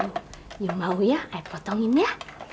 ayah mau ya ayah potongin ya